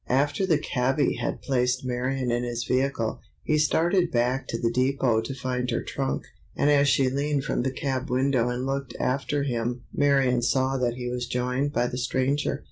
After the "cabby" had placed Marion in his vehicle, he started back into the depot to find her trunk, and as she leaned from the cab window and looked after him Marion saw that he was joined by the stranger.